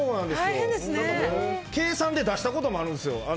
計算で出したこともあるんです。